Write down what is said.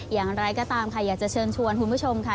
อย่างไรก็ตามค่ะอยากจะเชิญชวนคุณผู้ชมค่ะ